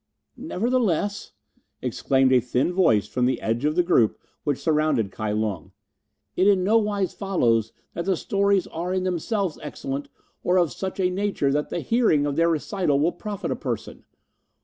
"Nevertheless," exclaimed a thin voice from the edge of the group which surrounded Kai Lung, "it in nowise follows that the stories are in themselves excellent, or of such a nature that the hearing of their recital will profit a person.